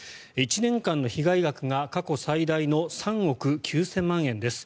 １年間の被害額が過去最大の３億９０００万円です。